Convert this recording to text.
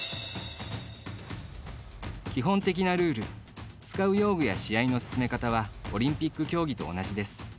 基本的なルール使う用具や試合の進め方はオリンピック競技と同じです。